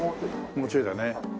もうちょいだね。